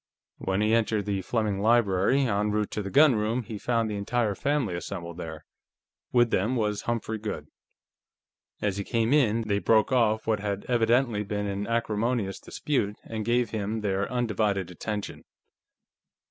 When he entered the Fleming library, en route to the gunroom, he found the entire family assembled there; with them was Humphrey Goode. As he came in, they broke off what had evidently been an acrimonious dispute and gave him their undivided attention.